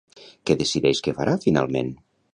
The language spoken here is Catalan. Què decideix que farà finalment?